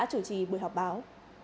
chủ trì buổi họp báo